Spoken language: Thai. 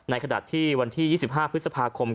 ขณะที่วันที่๒๕พฤษภาคม